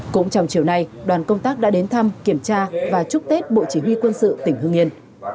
cũng trong chiều nay đoàn công tác đã đến thăm kiểm tra và chúc tết bộ chỉ huy quân sự tỉnh hương yên